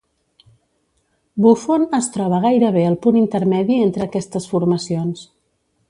Buffon es troba gairebé al punt intermedi entre aquestes formacions.